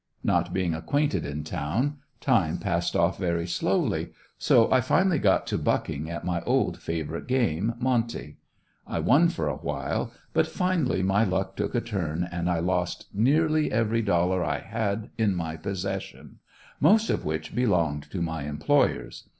Not being acquainted in town, time passed off very slowly, so I finally got to "bucking" at my old favorite game monte. I won for a while, but finally my luck took a turn and I lost nearly every dollar I had in my possession, most of which belonged to my employers.